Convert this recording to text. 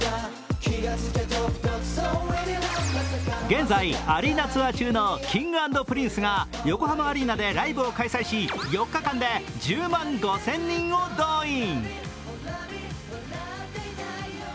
現在、アリーナツアー中のＫｉｎｇ＆Ｐｒｉｎｃｅで横浜アリーナでライブを開催し、４日で１０万５０００人を動員。